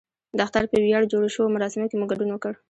د اختر په ویاړ جوړو شویو مراسمو کې مو ګډون وکړ.